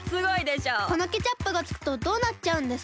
このケチャップがつくとどうなっちゃうんですか？